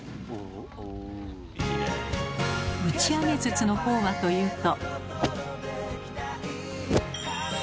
打ち上げ筒の方はというと。